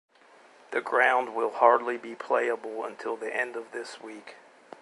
The ground will hardly be playable until the end of this week.